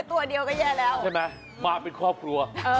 ตัวเดียวก็แย่แล้วใช่ไหมมาเป็นครอบครัว